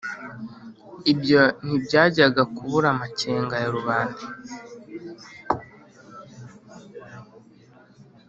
ibyo ntibyajyaga kubura amakenga ya rubanda